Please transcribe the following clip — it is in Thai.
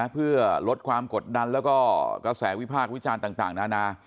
เพื่อลดความกดดันแล้วก็กระแสวิพากษ์วิจารณ์ต่างนานา